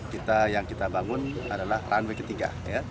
kita yang kita bangun adalah runway ketiga